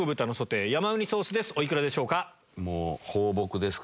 お幾らでしょうか？